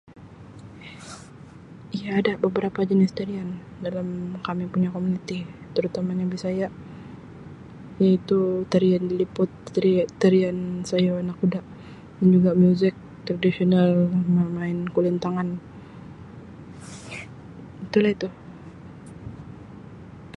Iya ada beberapa jenis tarian dalam kami punya komuniti terutamanya Bisaya iaitu tarian liliput, tari-tarian sayau anak kuda dan juga muzik tradisional bermain kulintangan itu la itu.